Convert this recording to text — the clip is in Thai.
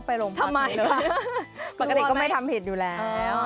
ปกติก็ไม่ทำผิดอยู่แล้ว